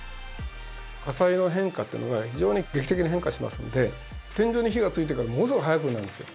火災の変化っていうのが非常に劇的に変化しますので天井に火がついてからものすごく早くなるんですよ。